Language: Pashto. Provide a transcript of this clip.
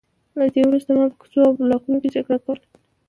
له دې وروسته ما په کوڅو او بلاکونو کې جګړه کوله